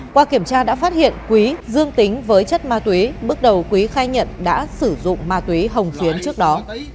qua kiểm tra đã phát hiện quý dương tính với chất ma túy bước đầu quý khai nhận đã sử dụng ma túy hồng tuyến trước đó